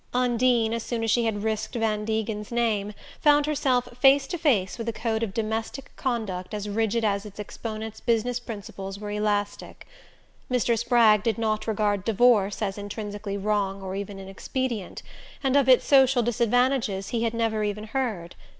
Undine, as soon as she had risked Van Degen's name, found herself face to face with a code of domestic conduct as rigid as its exponent's business principles were elastic. Mr. Spragg did not regard divorce as intrinsically wrong or even inexpedient; and of its social disadvantages he had never even heard.